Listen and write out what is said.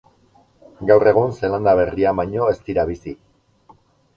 Gaur egun Zeelanda Berrian baino ez dira bizi.